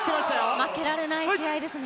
負けられない試合ですね。